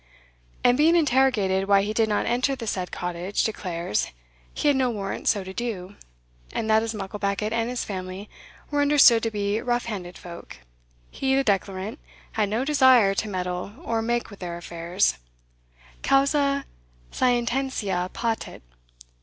And being interrogated why he did not enter the said cottage, declares, "he had no warrant so to do; and that as Mucklebackit and his family were understood to be rough handed folk, he, the declarant, had no desire to meddle or make with their affairs, Causa scientiae patet.